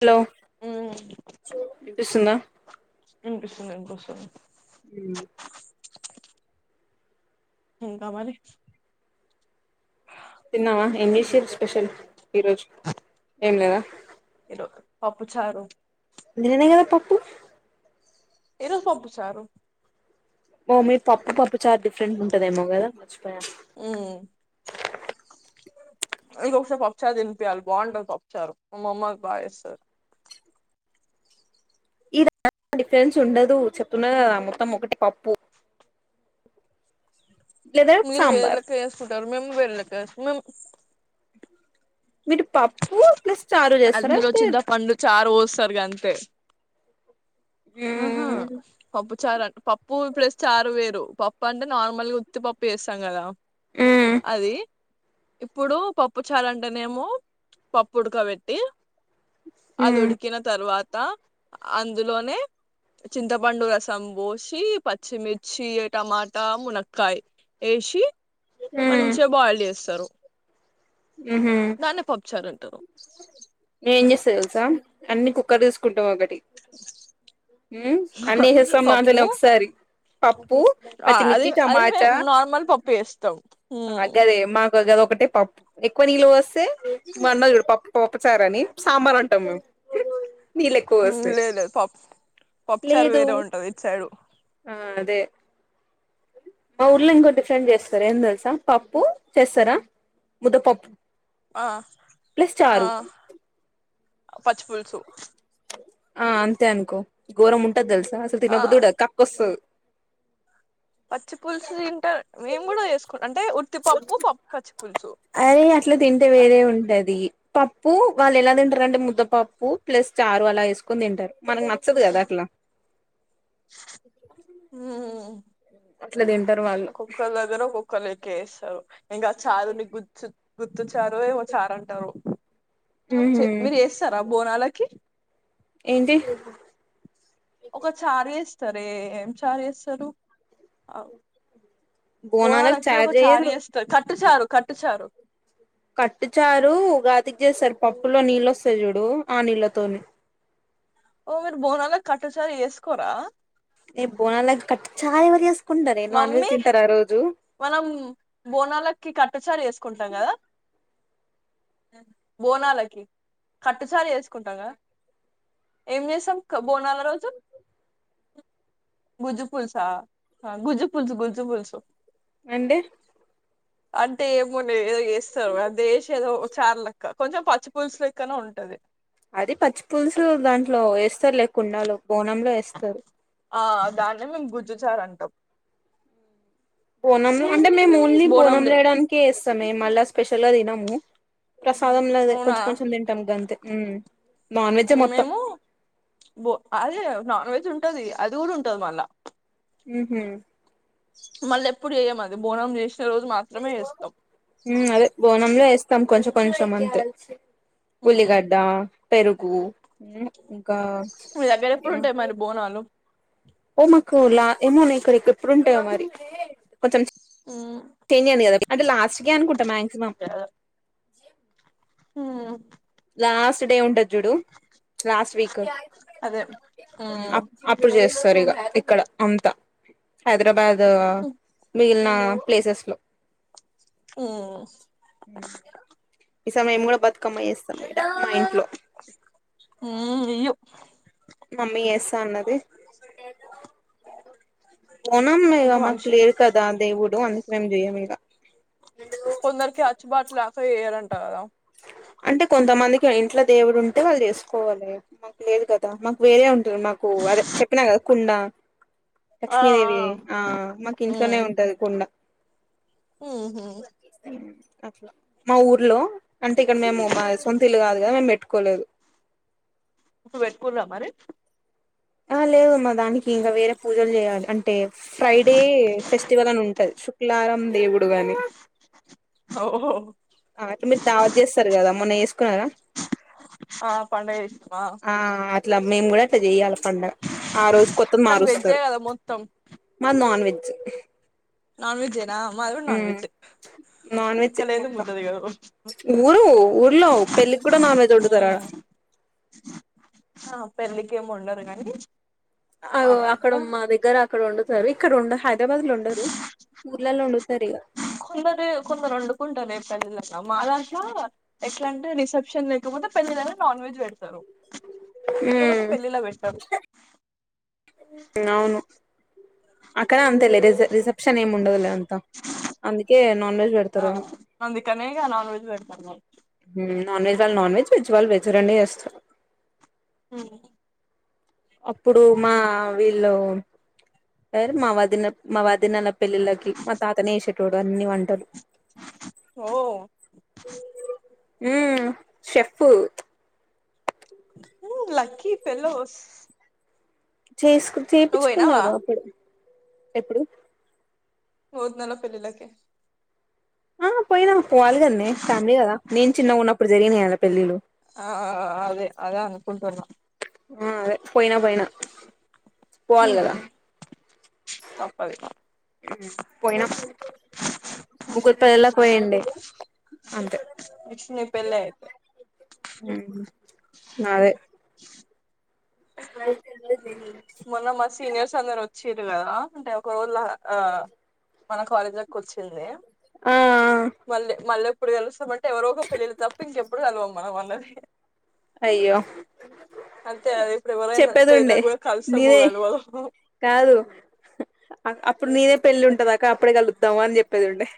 Hello ఉమ్ పిస్తుందా విన్పిస్తుంది విన్పిస్తుంది ఉ ఇంకా మరి తిన్నావా ఎంజేసిరు స్పెషల్ ఈరోజు ఏం లేదా పప్పు చారు నిన్ననే కదా పప్పు ఈరోజు పప్పు చారు ఓ మీద్ పప్పు పప్పుచారు డిఫరెంట్ ఉంటుదేమో కదా మర్చిపోయాను ఉం నీకొకసారి పప్పుచారు తినిపియాలి బాగుంటంది పప్పుచారు మామమ్మ బాచేస్తాది ఇది డిఫరెన్స్ ఉండదు చెప్తున్న కదా మొత్తం ఒకటే పప్పు లేదా మీరు సాంబార్ వేళ్ళక వేసుకుంటారు మేము వేళ్ళక ఎస్ మేమ్ మీది పప్పు ప్లస్ చారు చేస్తారా అందులో చింత లేదు పండు చారు పోస్తారు గంతే ఆహా మ్మ్ పప్పు చార పప్పు ప్లస్ చారు వేరు పప్పు అంటే నార్మల్గా ఉత్తిపప్పు చేస్తాం కదా మ్మ్ అది ఇప్పుడు పప్పు చారు అంటేనేేమో పప్పుడుకబట్టి అది ఉడికిన తర్వాత అందులోనే చింతపండు రసం బోసి పచ్చిమిర్చి టమాటా మునక్కయ్ ఎసి మ్మ్ మంచిగా బాయిల్ చేస్తారు మ్హూ దానే పప్పుచారు అంటారు నేను ఏం చేస్తా తెలుసా అన్ని కుక్కర్ తీసుకుంటాం ఒకటి ఉ అన్నీ వేసేస్తాం పప్పు అందులో ఒకసారి పప్పు ఆ అది పచ్చిమిర్చి అది టమాటా మేము నార్మల్ పప్పు చేస్తాం హ్మ్ గదే మాకుగ ఒకటే పప్పు ఎక్కువ నీళ్ళ పోస్తే మా అన్న చూడు పప్పు పప్పచరని సాంబార్ అంటాం మేము నిలెక్కువ పోస్తే లేదు లేదు పప్పు పప్పుచారు లేదు వేరే ఉంటది ఇటు సైడు ఆ తె మా ఊర్లో ఇంకో డిఫరెంట్ చేస్తారు ఏం తెలుసా పప్పు చేస్తారా ముదపప్పు ఆ ఆ పచ్చి పులుసు ఆ అంతే అనుకో గోరం ఉంటది తెలుసా అసలు ఆ తన్నబుద్ధుడు కక్క వస్తు పచ్చి పులుసు తింట మేము కూడా చేసుకుంన అంటే ఉత్తిపప్పు పచ్చి ప అరే అట్లా తింటే వేరే ఉంటది పప్పు వాళ్ళు ఎలా తింటారు అంటే ముద్ద పప్పు ప్లస్ చారు అలా వేసుకుని తింటారు మనకు నచ్చదు కదా అట్లా ఊ అట్లా తింటారు వాళ్ళు ఒకొక్క దగ్గర ఒక్కలే కేస్తారు ఇంకా చారుని గుర్తు గుర్తుచ్చారు ఏమో చారు అంటారు ఉహు చట్నీ చేస్తారా బోనాలకి ఏంటి ఒక చార్ చేస్తారే ఏం చార్ చేస్తారు ఆ బోనాలకు బోనాలుకి చారు ఒక చార్ చేయరు చేస్తారు కట్ చారు కట్టుచారు కట్టుచారు ఉగాదికి చేస్తారు పప్పులో నీళ్ళు వస్తాయి చూడు ఆ నీళ్ళతోని ఓ మీరు బోనాల కట్టుచారు చేసుకోరా ఏ బోనాల కట్ చారు ఎవరు చేసుకుంటారే నాన్ వెజ్ మమ్మీ తింటారు ఆ రోజు మనం బోనాలకి కట్టుచారు చేసుకుంటాం కదా బోనాలకి కట్టుచారు చేసుకుంటాం కదా ఏం చేసాం బోనాల రోజు గుజూ పుల్సా గుజు పుల్సు గుజు పుల్సు అంటే అంటే ఏమో ఏదో చేస్తారు అంతే వేసి ఏదో చార్ లక్క కొంచెం పచ్చి పులుసు లేక్కనా ఉంటది అది పచ్చి పులుసు దాంట్లో వేస్తారులే కుండాలో బోనంలో వేస్తారు ఆ దాన్నే మేము గుజ్జుచారు అంటాం బోనంలో అంటే మేము ఓన్లీ బోనం లేయడానికే ఏస్తామే మళ్ళా స్పెషల్ గా తినము ప్రసాదం లోదే అవునా కొంచెం కొంచెం తింటాం గంతే ఉ నాన్ వెజ్జే మొత్తం మేము బో అదే నాన్ వెజ్ ఉంటది అది కూడా ఉంటది మళ్ళా ఉహూ మళ్ళీ ఎప్పుడు చేయం అది బోనం చేసి ఉ అదే బోనంలో వేస్తాం కొంచెం కొంచెం అంతే మ్మ్ ఉల్లిగడ్డ, పెరుగు ఉ ఆ మీ దగ్గర ఎప్పుడు ఇగ ఉంటాయి మరి బోనాలు హోమకులా ఏమోనే ఇక్కడ ఎప్పుడు ఉంటాయో మరి కొంచెం మ్మ్ చేంజ్ అయింది కదా అంటే లాస్ట్కే అనుకుంటా మాక్సిమం ఆ లాస్ట్ డే ఉంటది జుడు లాస్ట్ వీక్ అదే మ్మ్ అప్ అప్పుడు చేస్తారు ఇగ ఇక్కడ అంతా హైదరాబాద్ మిగిలిన ప్లేసెస్ లో ఓ ఈ సమయం కూడా బతుకమ్మ చేస్తాం మా ఇంట్లో ఊ అయ్యో మమ్మీ చేస్తా అన్నది బోనం ఇగ ఇంక మాకు మనిషి లేరు కదా దేవుడు అందుకనీ చెయ్యము ఇగ కొందరికి అచ్చుబాటు రాక చేయరంట కదా అంటే కొంతమందికి ఇంట్లో దేవుడు ఉంటే వాళ్ళు చేసుకోవాలి మాకు లేదు కదా మాకు వేరే ఉంటుంది మాకు అదే చెప్పినా కదా కుండా ఆ ఆ లక్ష్మీదేవి ఆ మాకు ఇంట్లోనే ఉంటది కుండ ఆ హ అట్లా మా ఊర్లో అంటే ఇక్కడ మేము మా సొంతిల్లు కాదు కదా మేము పెట్టుకోలేదు ఇప్పుడు పెట్టుకుర్రా మరి ఆ లేదమ్మా దానికి ఇంకా వేరే పూజలు చేయాలి అంటే ఫ్రైడే ఫెస్టివల్ అని ఉంటది శుక్లవారం దేవుడు గాని ఓహ అంటే మీరు దావత చేస్తారు కదా మొన్న చేసుకున్నారా ఆ పండగ చేసినమా ఆ అట్లా మేము కూడా అట్లా చెయాలి పండగ ఆ రోజు కొత్తది కానీ వెజ్జే మారుస్తారు కదా మొత్తం మాది నాన్ వెజ్ నాన్ వెజే న మాది కూడా non um veg non veg ముక్కలేనిదే మొత్తం ముద్ద దిగదు ఊరు ఊర్లో పెళ్ళికి కూడా నాన్ వెజ్ వండుతార ఆ పెళ్ళికేమి వండరు గానీ అగో అక్కడ మా దగ్గర అక్కడ వండుతారు సరే ఇక్కడ ఉండ హైదరాబాద్ లో వండరు ఊర్లలో వండుతారు ఇక ఇంకోటి కొందరు వండుకుంటారు ఏ పెళ్ళైన మా దాంట్లో ఎట్లా అంటే రిసెప్షన్ లేకపో పెళ్ళి లోనే నాన్ వెజ్ పెడతారు లేకపోతే పెళ్ళిలో ఉమ్ పెట్టరు అవును అక్కడ అంతేలే రిస రిసెప్షన్ ఏం ఉండదులే అంత అందుకే నాన్ వెెజ్ ఆ పెడతరు ఏమో అందుకనే ఇగ నాన్ వెజ్ పెడతారు మరి నాన్ వెజ్ వాళ్ళు నాన్ వెజ్ వెజ్ వాళ్ళు వెజ్ రెండు చేస్తారు హ అప్పుడు మా వీళ్ళు మా వదిన మా వదినల పెళ్లిిళ్ళకి మా తాతనేేసేటోడు అన్ని వంటలు ఓ ఉ షెఫు లక్కీ ఫెలోస్ చేసుకు నువ్వు పోయినావా చేపిచ్చుకున్నారు అప్పుడు ఎప్పుడు వదినోళ్ల పెళ్ళిలోకే ఆ పోయినా పోవాలి కదన్నే ఫ్యామిలీ కదా నేను చిన్నగ ఉన్నప్పుడు జరిగినయి వాళ పెళ్ళిలు ఆ అదే అదే అనుకుంటున్నా ఆ అదే పోయినా పోయినా పోవాలి కదా తప్పది పొయినం ముగ్గురుతో ఎలా పోయండి అంతే నెక్స్ట్ నీ పెళ్ళి అయితే ఆ నాదే వైతే [unintelligible] మొన్న మా సీనియర్స్ అందరూ వచ్చి వచ్చిరు కదా అంటే ఒక రోజుల ఆ మన కాలేజ్ లోకి వచ్చింది ఆ మళ్ళీ మళ్ళీ ఎప్పుడు గెలుస్తామంటే ఎవరో ఒక పెళ్ళిలో తప్ప ఇంక ఎప్పుడు కలవము మనం అళ్న్నది [unintelligible] అయ్యో అంతే ఇప్పుడు ఎవరైనా చెప్పేది ఉండే పెళ్ళకి కూడా నీదే కలుస్తామోగలవమో కాదు అప్పుడు నేనే పెళ్ళి ఉంటదాక్క అప్పడే కలుద్దామా అని చెప్పేది ఉండే.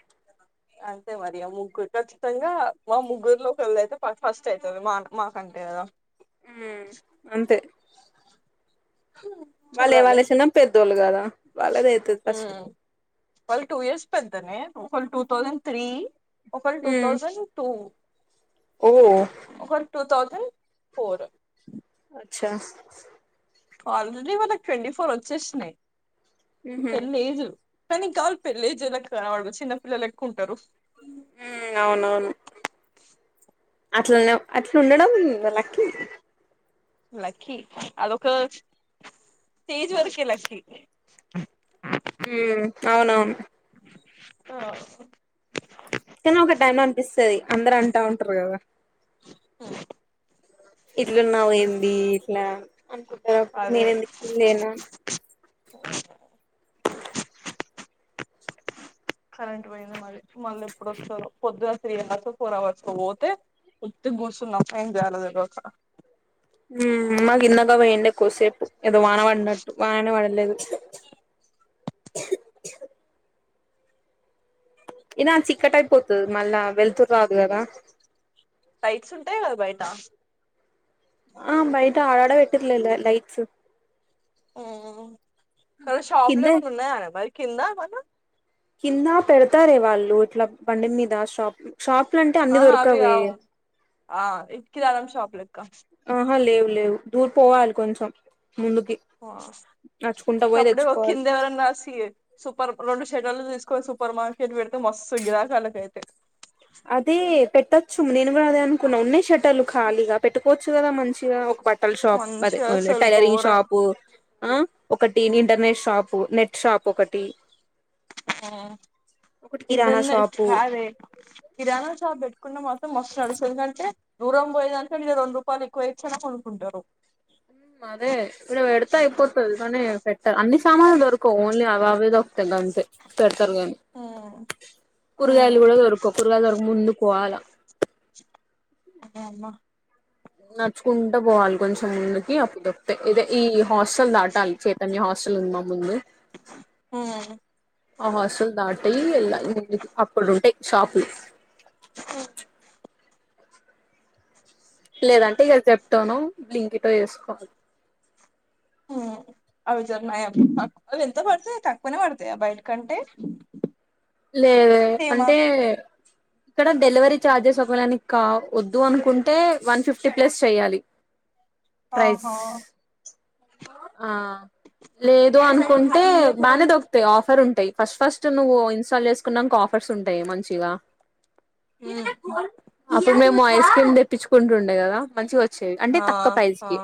అంతే మరిగ ముగ్కుట్ ఖచ్చితంగా మా ముగ్గురులోకి ఒక వెళ్ళైతే ఫస్ట్ అయితది మా మాకంటే కదా ఉ అంతే వాళ్లే చూడాలి వే సనా పెద్దోలుగదా వాళ్ళు టూ ఇయర్స్ పెద్దనే వాళ్ళు టూ థౌసండ్ త్రీ ఒకరు టూ థౌజండ్ టూ ఓ ఒకరు టూ థౌసండ్ పోరు అచ్చా ఆల్రెడీ వాళ్ళకి ట్వంటీ ఫోర్ వచ్చేసినాయి. ఉహు పెలేజ్ కానీ కాాలి పెళ్ల్ళ ఏజేల వాడు చిన్న పిల్లలు ఎక్కుంటారు. ఉ అవునవును అట్లనే అట్ల ఉండడం లక్కీ లక్కీ అదొ ఒక తేజ్ వరకి లక్కీ ఉ అవునవును ఓ కాని ఒక టైమ్ లో అనిపిస్తది. అందరు అంటా ఉంటారు కదా. ఇట్లున్నావు ఏంది ఇట్లా అనుకుంటారు అప్పుడు నేను ఎందుకు లేను అ కరెంట్ పోయింది మరి మళ్ళీ ఎప్పుడు వస్తరో పొద్దుగా త్రీ అవర్స్ ఫోర్ అవర్స్ కు పోతే ఎందుకు కూసున్నావు టైమ్ కాలేదు ఈరోజు ఉ మగ ఇన్నగా వె ఎండ కుసేపు ఏదో వాన పడినట్టు వాననే పడలేదు. ఇనా చిక్కట అయిపోతుంది మళ్ళా వెళతురు రాదు కదా త్తా ఆ బైట ఆడడ పెట్టిర్లే లైట్స్ ఉ షాపులో కిందే ఏమైనా ఉన్నాయ బరి కింద మ కింద పెడతారే వాళ్ళు ఇట్లా బండి మీద షాప్ షాప్లు అంటే అన్ని ఆహా అవి దొరకవే కావు ఆ కిరాణం షాప్ లెక్క ఆహా లేవు లేవు దూర్ పోవాలి కొంచెం ముందుకి నడుచుకుంటా పోయి సప్పుడే ఒ తెచ్చుకోవాలి కింద ఎవరన్నా వచ్చి సూపర్ రెండు షెడల్లు తీసుకొని సూపర్ మార్కెట్ పెడితే మస్తు గిరాకాలక అయితాయి. అదే పెట్టొచ్చు నేను కూడా అదే అనుకున్నా. ఉన్నాయి షటలు ఖాళీగా పెట్కోవచ్చు. కదా మంచిగా ఒక బట్టల్ షాప్ అదే మంచిగా అసలు టైలరింగ్ ఘోరం షాప్ ఒకటి ఇంటర్నెట్ షాపు నెట్ షాప్ ఒకటి ఒకటి కిరాణా ఇంటర్నెట్ షాపు కాదే కిరాణా షాప్ కుడా మొత్తం మస్త్ నడుస్తది కానీ దూరం పోయేదని కంటే ఇడే రెండు రూపాయలు ఎక్కువ ఇచ్చి అయిన కొనుక్కుంటారు. అదే ఇప్పుడు పెడతా అయిపోతుంది కానీ పెట్ట అన్ని సామానులు దొరకవు ఓన్లీ అవి అవిద గంతే పెడతారు గానీ కూరగాయలు కూడా దొరకవ్ కూరగాయలు దొరక ముందు కోవాల అమ్మ నడుచుకుంటా పోవాలి కొంచెం ముందుకి అప్పుడు వస్తాయి ఇదే ఈ హాస్టల్ దాటాలి చైతన్య హాస్టల్ హాస్టల్ ఉంది మా ముందు ఆ హాస్టల్ దాటి టెల్లింగ్ వెల్ల ఇంకా అప్పుడు ఉంటాయి షాపులు ఓ లేదంటే ఇక చెప్తాను లింకిటో వేసుకో అవి జరున్నాయి అవి ఎంత పడుతాయి తక్కువనే పడతాయా బయటికి అంటే లేదే అంటే ఇక్కడ డెలివరీ ఛార్జెస్ ఒకళని కా వద్దు అనుకుంటే వన్ ఫిఫ్టీ ప్లస్ చెయ్యాలి ప్రైస్ ఆహా ఆ లేదు అనుకుంటే బానే దొక్కుతాయి ఆఫర్ ఉంటాయి ఫస్ట్ ఫస్ట్ నువ్వు ఇన్స్టాల్ చేసుకునక ఆఫర్స్ ఉంటాయి మంచిగా ఉమ్ అప్పుడు మేం ము ఐస్ క్రీమ్ తెప్పించుకుంటుండేది కదా మంచిగా వచ్చేవి అంటే ఆ తక్కు ప్రైజ్ ఆ కి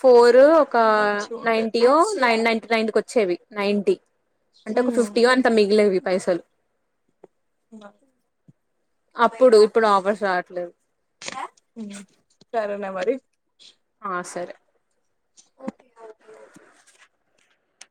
ఫోర్ ఒక మంచిగుండే నైన్టి ఓ నైన్ నైన్టీ నైన్కి వచ్చేవి నైన్టీ అంటే ఒక ఉమ్ ఫిఫ్టీ ఓ ఎంతో మిగిలేవి పైసలు ఇ అప్పుడు ఇప్పుడు ఆఫర్స్ రావట్లేదు సరేనా మరి ఆ సరే